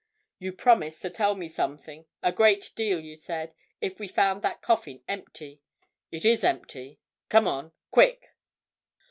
"You promised to tell me something—a great deal, you said—if we found that coffin empty. It is empty. Come on—quick!"